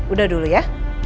udah dulu ya